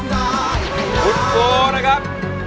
ฟุตโฟนะครับ